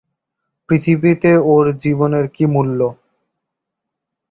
পৃথিবীতে ওর জীবনের কী মূল্য।